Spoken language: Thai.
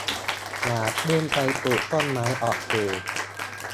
อย่าเพิ่งไปปลูกต้นไม้ออกสื่อ